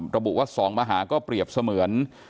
ระบุว่า๒มหาก็เปรียบเสมือน